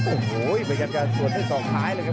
โอ้โฮเหมือนกันกันส่วนด้วยสองท้ายเลยครับ